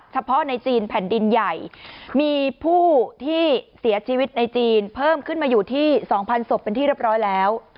เฉพาะในจีนแผ่นดินใหญ่มีผู้ที่เสียชีวิตในจีนเพิ่มขึ้นมาอยู่ที่๒๐๐ศพเป็นที่เรียบร้อยแล้ว